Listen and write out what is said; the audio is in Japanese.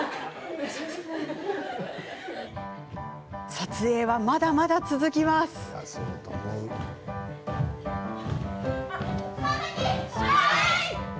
撮影は、まだまだ続きます。はい！